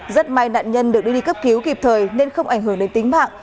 rất may nạn nhân được đưa đi cấp cứu kịp thời nên không ảnh hưởng đến tính mạng